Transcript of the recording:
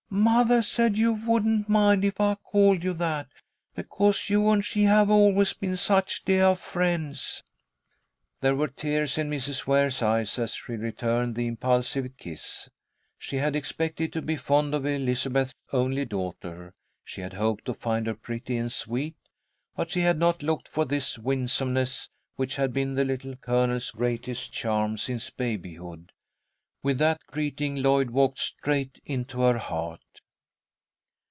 "Mothah said you wouldn't mind if I called you that, because you and she have always been such deah friends." There were tears in Mrs. Ware's eyes as she returned the impulsive kiss. She had expected to be fond of Elizabeth's only daughter. She had hoped to find her pretty and sweet, but she had not looked for this winsomeness, which had been the Little Colonel's greatest charm since babyhood. With that greeting, Lloyd walked straight into her heart.